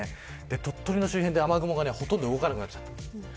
鳥取の周辺で雨雲がほとんど動かなくなっちゃった。